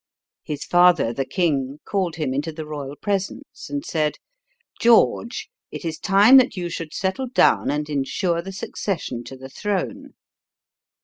His father, the king, called him into the royal presence and said: "George, it is time that you should settle down and insure the succession to the throne."